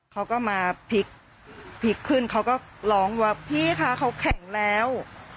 เขาก็มาพลิกขึ้นเขาก็ร้องว่าพี่คะเขาแข็งแล้ว